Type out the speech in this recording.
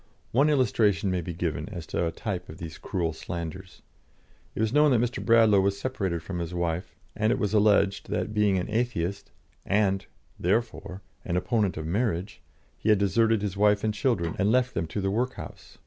One illustration may be given as a type of these cruel slanders. It was known that Mr. Bradlaugh was separated from his wife, and it was alleged that being an Atheist, and, (therefore!) an opponent of marriage, he had deserted his wife and children, and left them to the workhouse.